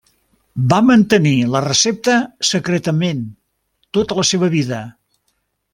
Va mantenir la recepta secretament tota la seva vida.